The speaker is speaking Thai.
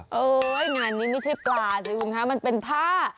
เฮ้ยงานนี้ไม่ใช่ปลาใช่มั้ยคุณคะมันเป็นผ้า